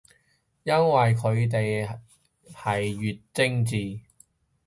因為佢哋係越精緻